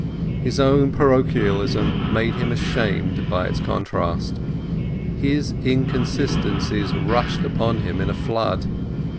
His own parochialism made him ashamed by its contrast. His inconsistencies rushed upon him in a flood.